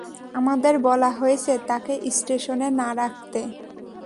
আমাদের বলা হয়েছে তাকে স্টেশনে না রাখতে।